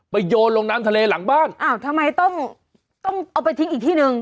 โยนลงน้ำทะเลหลังบ้านอ้าวทำไมต้องต้องเอาไปทิ้งอีกที่หนึ่ง